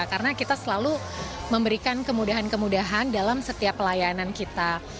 karena kita selalu memberikan kemudahan kemudahan dalam setiap pelayanan kita